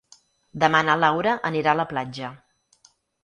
Demà na Laura anirà a la platja.